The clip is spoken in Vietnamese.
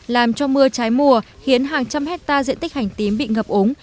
làm cho mưa trái mùa khiến hàng trăm hectare diện tích hành tím bị ngập ống